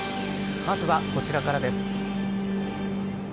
まずは、こちらからです。